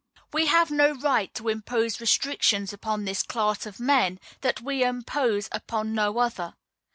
We have no right to impose restrictions upon this class of men that we impose upon no other.